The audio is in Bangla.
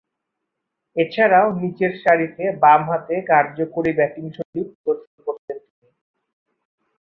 এছাড়াও, নিচেরসারিতে বামহাতে কার্যকরী ব্যাটিংশৈলী প্রদর্শন করতেন তিনি।